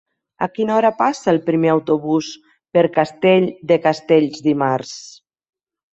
A quina hora passa el primer autobús per Castell de Castells dimarts?